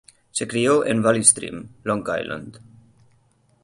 Se crio en Valley Stream, Long Island.